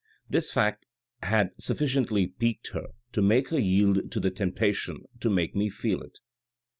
This fact has sufficiently piqued her to make her yield to the temptation to make me feel it."